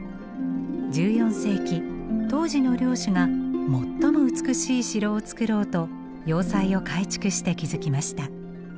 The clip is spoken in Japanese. １４世紀当時の領主が最も美しい城を造ろうと要塞を改築して築きました。